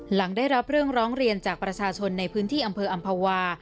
หลังได้รับเรื่องร้องเรียนจากประชาชนในพื้นที่อำเภออำภาวา